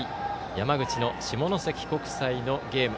山口の下関国際のゲーム。